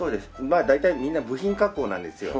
まあ大体みんな部品加工なんですよ。